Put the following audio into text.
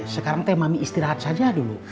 sekarang teh mami istirahat saja dulu